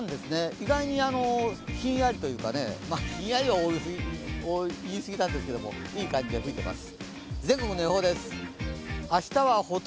意外にひんやりというか、ひんやりは言い過ぎなんですけどいい感じで吹いています。